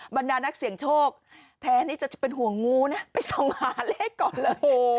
บรรดานักเสี่ยงโชคแท้นี่จะเป็นห่วงงูนะไปส่องหาเลขก่อนเลย